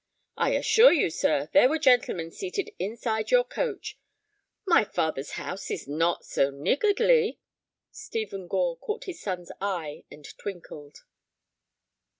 "I assure you, sir, there were gentlemen seated inside your coach. My father's house is not so niggardly—" Stephen Gore caught his son's eye and twinkled.